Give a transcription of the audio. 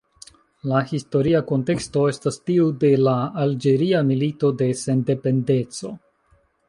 La historia kunteksto estas tiu de la Alĝeria Milito de Sendependeco.